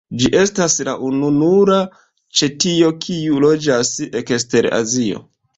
Ĝi estas la ununura ĉetio kiu loĝas ekster Azio.